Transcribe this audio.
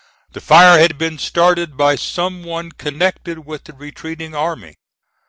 The fire had been started by some one connected with the retreating army.